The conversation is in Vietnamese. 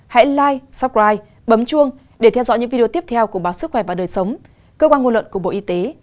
hãy live suppride bấm chuông để theo dõi những video tiếp theo của báo sức khỏe và đời sống cơ quan ngôn luận của bộ y tế